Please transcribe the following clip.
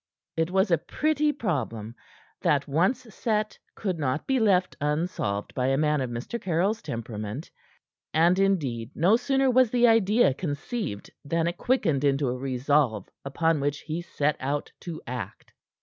It was a pretty problem, that once set could not be left unsolved by a man of Mr. Caryll's temperament. And, indeed, no sooner was the idea conceived than it quickened into a resolve upon which he set out to act.